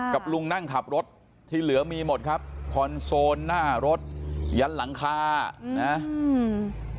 กับลุงนั่งขับรถที่เหลือมีหมดครับคอนโซลหน้ารถยันหลังคานะอืม